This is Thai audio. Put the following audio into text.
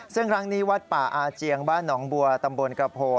ซึ่งครั้งนี้วัดป่าอาเจียงบ้านหนองบัวตำบลกระโพ